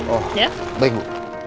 oh baik bu